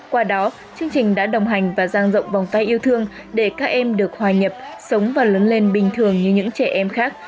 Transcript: qua đó chương trình đã đồng hành và giang rộng vòng tay yêu thương để các em được hòa nhập sống và lớn lên bình thường như những trẻ em khác